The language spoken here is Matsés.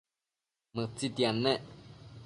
Mëtsitiad nec